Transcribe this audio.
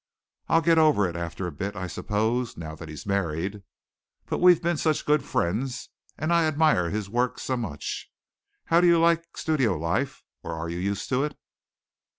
I'll get over it after a bit, I suppose, now that he's married. But we've been such good friends and I admire his work so much. How do you like studio life or are you used to it?"